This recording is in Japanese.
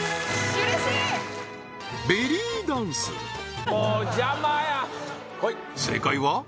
うれしいベリーダンス正解は？